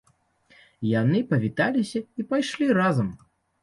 Яны павіталіся і пайшлі разам.